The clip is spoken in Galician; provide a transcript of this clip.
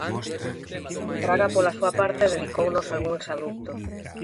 Fraga, pola súa parte, dedicounos algún exabrupto.